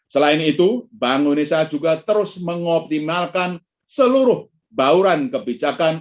selain itu bank indonesia juga terus mengoptimalkan seluruh bauran kebijakan